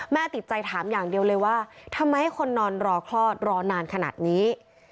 ติดใจถามอย่างเดียวเลยว่าทำไมให้คนนอนรอคลอดรอนานขนาดนี้